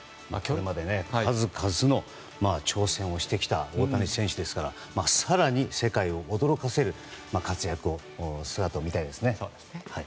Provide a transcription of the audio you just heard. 数々の挑戦をしてきた大谷選手ですから更に世界を驚かせる姿を見たいですね。